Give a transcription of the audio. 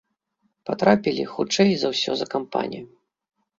Патрапілі хутчэй за ўсе за кампанію.